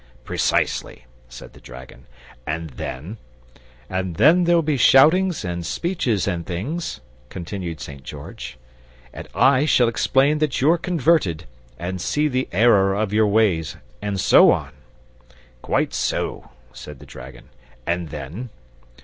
"Precisely," said the dragon. "And then " "And then there'll be shoutings and speeches and things," continued St. George. "And I shall explain that you're converted, and see the error of your ways, and so on." "Quite so," said the dragon. "And then